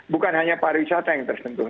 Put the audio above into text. bukan hanya pariwisata yang tersentuh